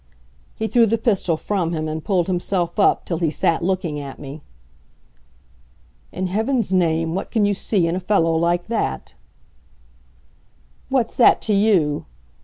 He threw the pistol from him and pulled himself up, till he sat looking at me. "In heaven's name, what can you see in a fellow like that?" "What's that to you?"